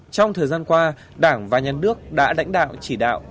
trong thời gian qua đảng và nhân nước đã đảnh đạo chỉ đạo